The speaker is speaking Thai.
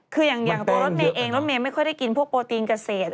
คืออย่างตัวรถเมย์เองรถเมย์ไม่ค่อยได้กินพวกโปรตีนเกษตร